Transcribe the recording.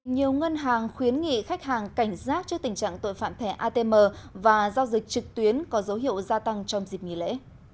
nhiều ngân hàng khuyến nghị khách hàng cảnh giác trước tình trạng tội phạm thẻ atm và giao dịch trực tuyến có dấu hiệu gia tăng trong dịp nghỉ lễ